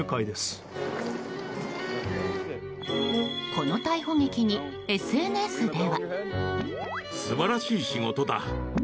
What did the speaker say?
この逮捕劇にＳＮＳでは。